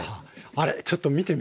あれちょっと見てみたい。